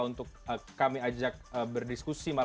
untuk kami ajak berdiskusi